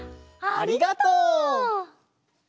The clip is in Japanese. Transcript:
ありがとう！